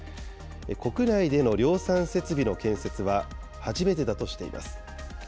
国内での量産設備の建設は初めてだとしています。